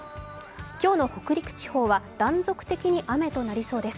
今日の北陸地方は断続的に雨となりそうです。